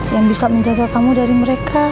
yang bisa menjaga kamu dari mereka